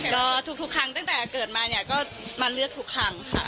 ก็ทุกครั้งตั้งแต่เกิดมาเนี่ยก็มาเลือกทุกครั้งค่ะ